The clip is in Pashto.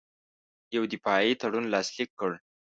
یو دفاعي تړون لاسلیک کړ.